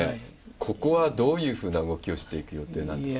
ここはどういうふうな動きをしていく予定なんですか？